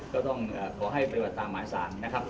ก็ต้องขอให้ปฏิบัติตามหมายสารนะครับ